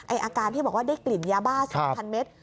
อาการที่บอกว่าได้กลิ่นยาบ้า๓๐๐เมตร